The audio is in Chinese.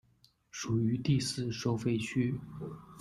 属于第四收费区。